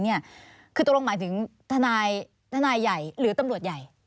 เนี่ยคือตกลงหมายถึงฮะนายไข่หรือตำรวจใหญ่